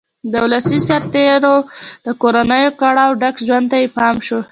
د ولسي سرتېرو د کورنیو کړاوه ډک ژوند ته یې پام شو